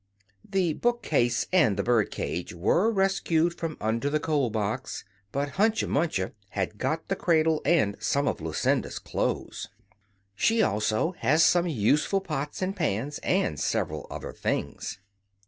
The book case and the bird cage were rescued from under the coal box but Hunca Munca has got the cradle, and some of Lucinda's clothes. She also has some useful pots and pans, and several other things.